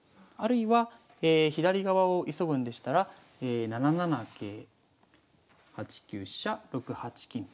あるいは左側を急ぐんでしたら７七桂８九飛車６八金。